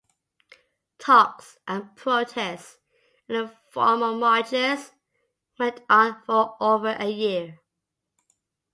Talks and protests, in the form of marches, went on for over a year.